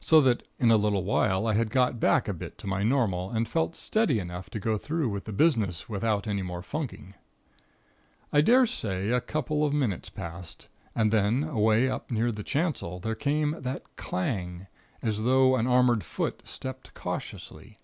So that, in a little while, I had got back a bit to my normal, and felt steady enough to go through with the business without any more funking. "I daresay a couple of minutes passed, and then, away up near the chancel, there came again that clang, as though an armored foot stepped cautiously.